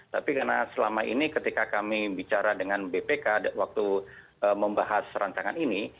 tapi karena selama ini ketika kami bicara dengan bpk waktu membahas rancangan ini